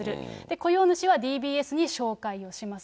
雇用主はＤＢＳに照会をします。